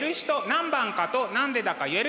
何番かと何でだか言える人？